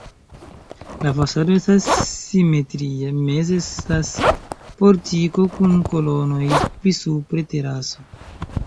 La fasado estas simetria, meze estas portiko kun kolonoj, pli supre teraso.